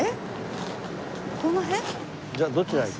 じゃあどちらに？